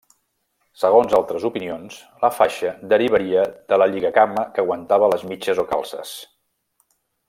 Segons altres opinions, la faixa derivaria de la lligacama que aguantava les mitges o calces.